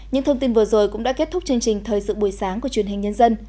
những thông tin vừa rồi cũng đã kết thúc chương trình thời sự buổi sáng của truyền hình nhân dân